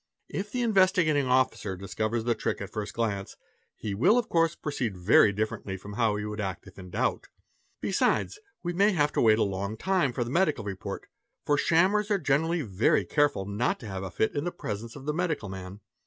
If the Investigating Officer discovers the 'trick at the first glance, he will of course proceed very differently from how he would act if in doubt. Besides, we may have to wait a long time for the medical report; for shammers are generally very careful not to have a fit in presence of the medical man.